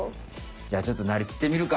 じゃあちょっとなりきってみるか。